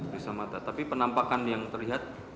bisa mata tapi penampakan yang terlihat